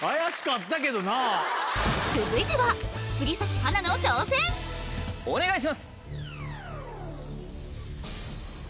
続いてはお願いします。